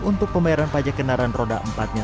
untuk pembayaran pajak kendaraan roda empatnya